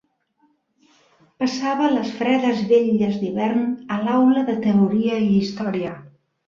Passava les fredes vetlles d'hivern a l'aula de Teoria i Història